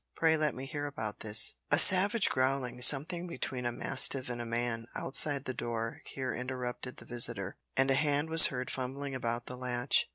Pray let me hear about this " A savage growling, something between a mastiff and a man, outside the door, here interrupted the visitor, and a hand was heard fumbling about the latch.